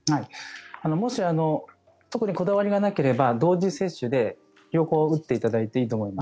もし特にこだわりがなければ同時接種で両方打っていただいていいと思います。